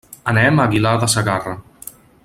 Anem a Aguilar de Segarra.